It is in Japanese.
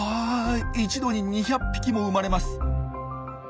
一度に２００匹も生まれます。